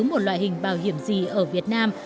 một loại hình bảo hiểm gì ở việt nam